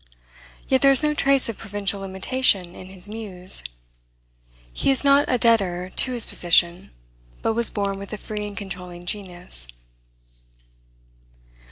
Yet there is no trace of provincial limitation in his muse. He is not a debtor to his position, but was born with a free and controlling genius.